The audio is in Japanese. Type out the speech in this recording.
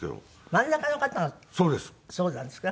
真ん中の方がそうなんですか？